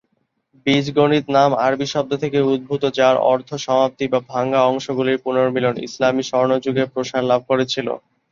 বীজগণিত নাম আরবি শব্দ থেকে উদ্ভূত যার অর্থ সমাপ্তি বা "ভাঙা অংশগুলির পুনর্মিলন", ইসলামী স্বর্ণযুগে প্রসার লাভ করেছিল।